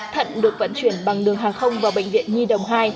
thận được vận chuyển bằng đường hàng không vào bệnh viện nhi đồng hai